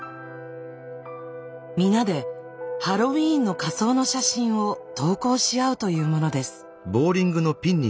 皆でハロウィーンの仮装の写真を投稿しあうというものです。